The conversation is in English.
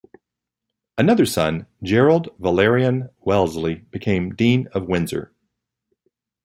Another son, Gerald Valerian Wellesley, became Dean of Windsor.